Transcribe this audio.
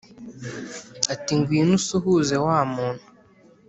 ati"ngwino usuhuze wamuntu